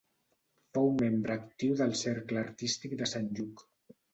Fou membre actiu del Cercle Artístic de Sant Lluc.